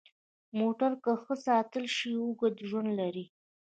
موټر که ښه ساتل شي، اوږد ژوند لري.